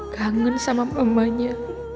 kangen sama mamanya